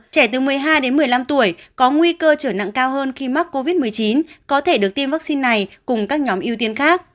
trẻ từ một mươi hai đến một mươi năm tuổi có nguy cơ trở nặng cao hơn khi mắc covid một mươi chín có thể được tiêm vaccine này cùng các nhóm ưu tiên khác